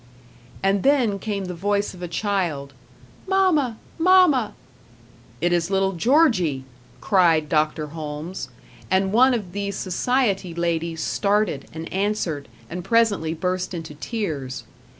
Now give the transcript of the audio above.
And then came the voice of a child: "Mamma! Mamma!" "It is little Georgie!" cried Dr. Holmes; and one of the society ladies started, and answered, and presently burst into tears.